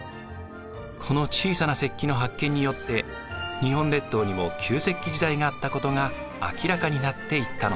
この小さな石器の発見によって日本列島にも旧石器時代があったことが明らかになっていったのです。